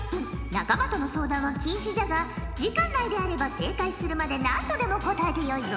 仲間との相談は禁止じゃが時間内であれば正解するまで何度でも答えてよいぞ！